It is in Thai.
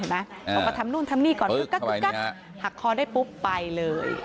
เห็นไหมอ๋อแล้วก็ทำนู่นทำหนี้ก่อนอะหักคอร์ได้ปุ๊บไปเลย